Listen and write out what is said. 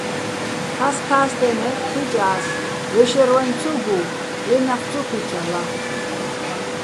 ქასქა́სტეჼ ნჵაჲჸ ჰ̦იჭა́ს, ლე შაჲრვაჼ ცო გუ, ლე ნახ ცო ქუჩალა.